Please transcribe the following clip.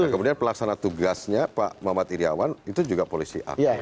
kemudian pelaksana tugasnya pak muhammad iryawan itu juga polisi aktif